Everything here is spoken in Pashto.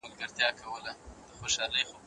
حقاني علماء خپل کار نه پرېږدي.